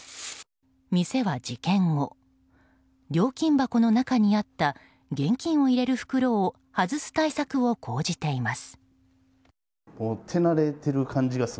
店は事件後、料金箱の中にあった現金を入れる袋を外す対策を講じています。